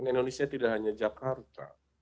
indonesia tidak hanya jakarta